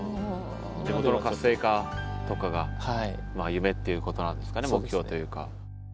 地元の活性化とかが夢っていうことなんですかね目標というか。